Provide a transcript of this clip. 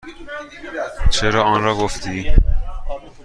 چرا آنرا گفتی؟